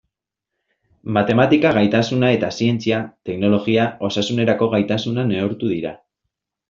Matematika gaitasuna eta zientzia, teknologia, osasunerako gaitasuna neurtu dira.